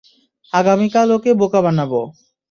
আগামীকাল ওকে বোকা বানাবো।